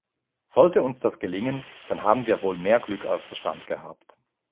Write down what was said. Sollte uns das gelingen, dann haben wir wohl mehr Glück als Verstand gehabt.